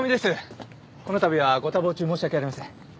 この度はご多忙中申し訳ありません。